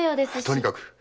とにかく！